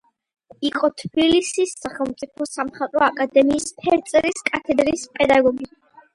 იყო თბილისის სახელმწიფო სამხატვრო აკადემიის ფერწერის კათედრის პედაგოგი.